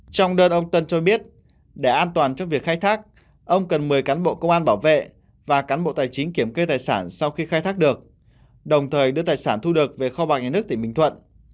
trong đơn ông tân cho biết để an toàn cho việc khai thác ông cần mời cán bộ công an bảo vệ và cán bộ tài chính kiểm kê tài sản sau khi khai thác được đồng thời đưa tài sản thu được về kho bạc nhà nước tỉnh bình thuận